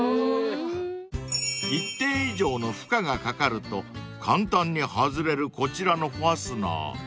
［一定以上の負荷がかかると簡単に外れるこちらのファスナー］